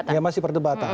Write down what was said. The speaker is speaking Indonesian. iya masih perdebatan